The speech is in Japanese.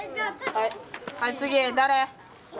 はい次誰？